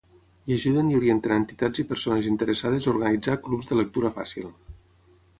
I ajuden i orienten a entitats i persones interessades a organitzar Clubs de Lectura Fàcil.